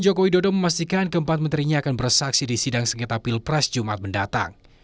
jokowi dodo memastikan keempat menterinya akan bersaksi di sidang sengketa pilpres jumat mendatang